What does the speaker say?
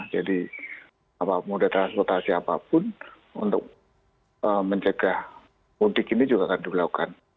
jadi moda transportasi apapun untuk menjaga mudik ini juga akan dilakukan